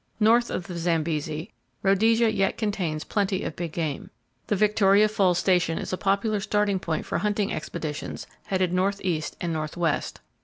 North of the Zambesi, Rhodesia yet contains plenty of big game. The Victoria Falls station is a popular starting point for hunting expeditions headed northeast and northwest.